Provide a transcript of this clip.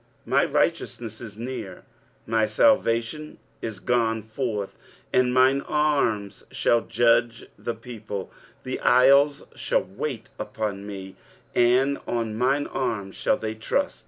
23:051:005 My righteousness is near; my salvation is gone forth, and mine arms shall judge the people; the isles shall wait upon me, and on mine arm shall they trust.